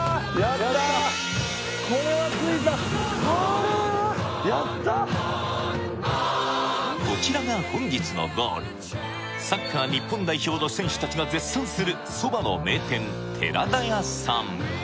これは着いたこれはやったこちらが本日のゴールサッカー日本代表の選手たちが絶賛する蕎麦の名店寺田家さん